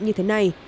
như thế này